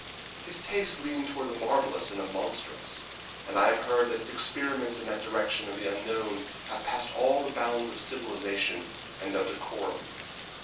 His tastes leaned toward the marvellous and the monstrous, and I have heard that his experiments in the direction of the unknown have passed all the bounds of civilization and of decorum.